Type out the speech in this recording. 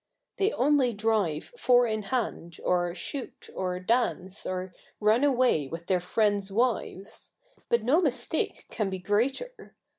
They only drive four in hand, or shoot, or dance, or run away with their friends' wives. But no mistake can be 'greater.